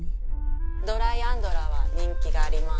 ドライアンドラは人気があります。